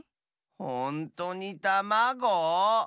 ほんとにたまご？